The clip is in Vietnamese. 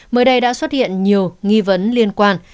mới đây đã xuất hiện nhiều nghi vấn liên quan